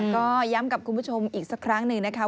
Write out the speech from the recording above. ก็ย้ำกับคุณผู้ชมอีกสักครั้งหนึ่งนะคะ